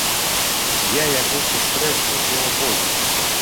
Я яго сустрэў тут у абозе.